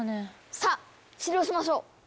さあ治療しましょう。